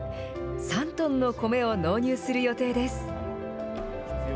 ３トンの米を納入する予定です。